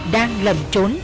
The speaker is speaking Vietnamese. đang lẩn trốn